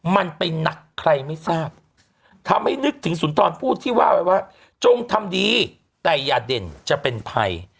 มันไปหนักใครไม่ทราบทำให้นึกถึงสุนทรพูดที่ว่าไว้ว่าจงทำดีแต่อย่าเด่นจะเป็นภัย